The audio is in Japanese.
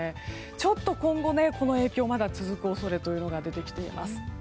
ちょっと今後、この影響がまだ続く恐れが出てきています。